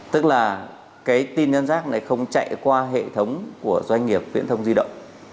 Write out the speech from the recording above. tức là cái tin nhắn rác này không chạy qua hệ thống của doanh nghiệp viễn thông di động